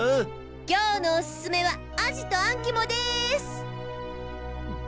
今日のオススメはアジとあん肝です。